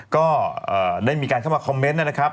ก็ได้มีการเข้ามาคอมเมนต์นะครับ